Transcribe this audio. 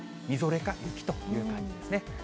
みぞれか雪という感じですね。